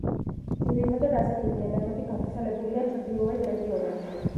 ძირითადად ასეთი ნიადაგები გავრცელებულია ჩრდილოეთ რეგიონებში.